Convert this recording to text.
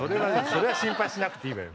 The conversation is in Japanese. それは心配しなくていいわよ。